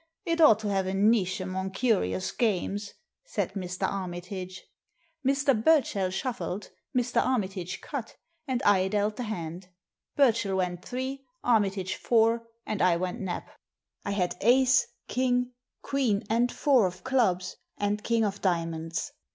It ought to have a niche among curious games/' said Mr. Armitage. Mr. Burchell shuffled, Mr. Armitage cut, and I dealt the hand. Burchell went three, Armitage four, and I went Nap ! I had ace, king, queen, and four of clubs, and king of diamonds.